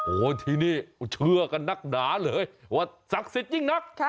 โอ้โหที่นี่เชื่อกันนักหนาเลยว่าศักดิ์สิทธิ์ยิ่งนัก